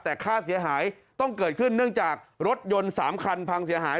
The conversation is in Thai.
แต่ค่าเสียหายต้องเกิดขึ้นเนื่องจากรถยนต์๓คันพังเสียหาย